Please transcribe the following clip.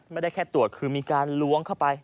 ไม่ได้แค่ตรวจคือมีการล้วงเข้าไป